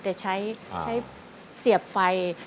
แต่ใช้เสียบไฟ